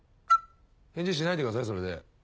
返事しないでくださいそれで。